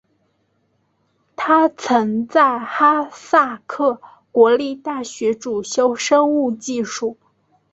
他曾在哈萨克国立大学主修生物技术。